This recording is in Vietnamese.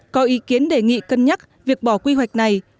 có ý kiến đề nghị cân nhắc việc bỏ quy hoạch này